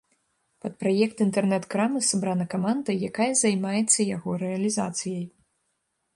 Пад праект інтэрнэт-крамы сабрана каманда, якая займаецца яго рэалізацыяй.